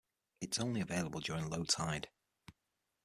It is only available during low tide.